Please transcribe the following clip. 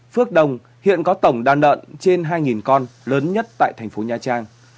phước đồng hiện có tổng đàn lợn trên hai con lớn nhất tại thành phố nha trang